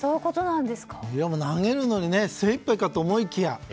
投げるのに精いっぱいかと思いきや。